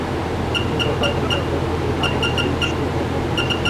ওরা পাইলট হিসাবে দক্ষ হলেও, এখনো কিছু জিনিস শেখা বাকি আছে, স্যার।